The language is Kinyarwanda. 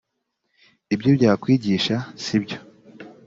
ibyo byakwigisha sibyo